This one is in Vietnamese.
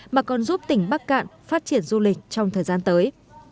mà còn giúp tỉnh bắc cạn phát triển du lịch trong thời gian tới